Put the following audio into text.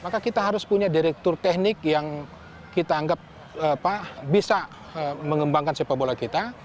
maka kita harus punya direktur teknik yang kita anggap bisa mengembangkan sepak bola kita